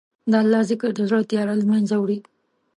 د الله ذکر د زړه تیاره له منځه وړي.